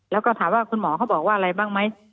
แล้วก็ถามว่าคุณหมอเขาบอกว่าอะไรบ้างไหม